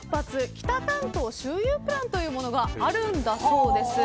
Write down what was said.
北関東周遊プランというものがあるんだそうです。